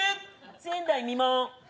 前代未聞。